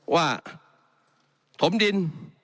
ว่าถมดิน